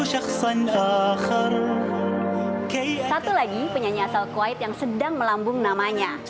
satu lagi penyanyi asal kuwait yang sedang melambung namanya